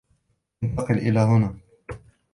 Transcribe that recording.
انتقل إلى هنا.